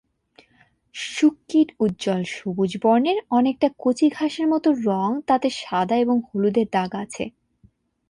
শূককীট উজ্জ্বল সবুজ বর্ণের, অনেকটা কচি ঘাসের মতো রঙ তাতে সাদা এবং হলুদের দাগ আছে।